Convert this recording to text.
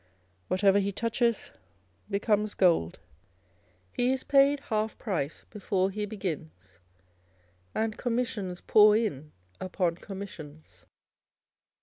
Whatever he touches becomes golc^ He is paid half price before he begins ; and commissions pour in upon commissions.